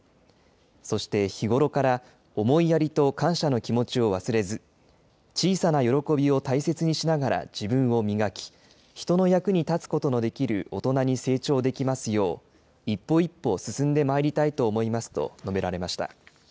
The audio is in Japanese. そして日頃から思いやりと感謝の気持ちを忘れず、小さな喜びを大切にしながら自分を磨き、人の役に立つことのできる大人に成長できますよう、一歩一歩進んでまいりたいと思いますと述べられました。